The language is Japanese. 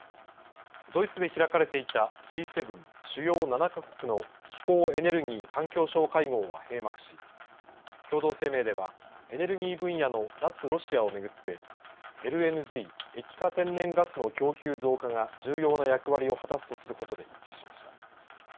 ドイツで開かれていたＧ７主要７か国の気候・エネルギー・環境相会合は閉幕し共同声明ではエネルギー分野の脱ロシアをめぐってＬＮＧ、液化天然ガスの供給増加が重要な役割を果たすとすることで一致しました。